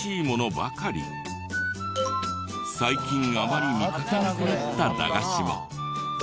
最近あまり見かけなくなった駄菓子も。